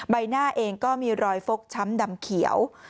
ใบหน้าเองก็มีรอยฟกช้ำดำเขียว